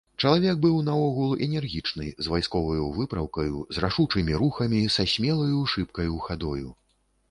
Чалавек быў наогул энергічны, з вайсковаю выпраўкаю, з рашучымі рухамі, са смелаю, шыбкаю хадою.